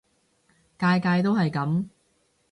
屆屆都係噉